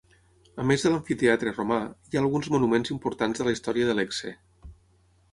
A més de l'amfiteatre romà, hi ha alguns monuments importants de la història de Lecce.